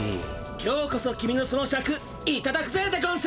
今日こそ君のそのシャクいただくぜでゴンス！